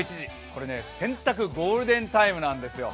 これ洗濯ゴールデンタイムなんですよ。